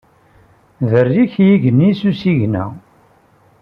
Berrik yigenni s usigna.